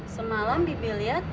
semalam bibi liat